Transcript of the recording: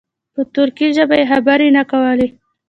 په ترکي ژبه یې خبرې نه کولې.